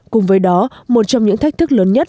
cùng với đó một trong những thách thức lớn nhất